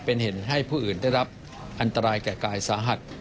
เป็นเหตุให้ผู้อื่นได้รับอันตรายแก่กายสาหัส